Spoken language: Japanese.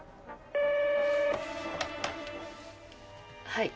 はい。